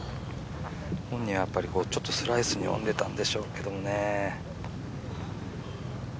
本人ちょっとスライス読んでたんでしょうけどね。